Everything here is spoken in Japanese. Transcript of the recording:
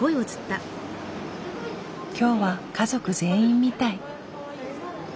今日は家族全員みたい。